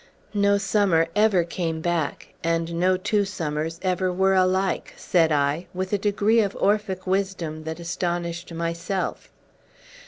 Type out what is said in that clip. "No summer ever came back, and no two summers ever were alike," said I, with a degree of Orphic wisdom that astonished myself.